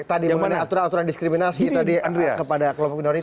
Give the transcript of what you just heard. tadi mengenai aturan aturan diskriminasi kepada kelompok minoritas